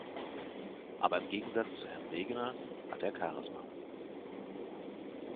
Aber im Gegensatz zu Herrn Wegener hat er Charisma.